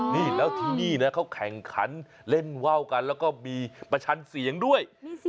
นี่แล้วที่นี่นะเขาแข่งขันเล่นว่าวกันแล้วก็มีประชันเสียงด้วย